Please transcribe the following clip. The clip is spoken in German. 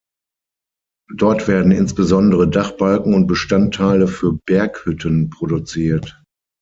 Dort werden insbesondere Dachbalken und Bestandteile für Berghütten produziert.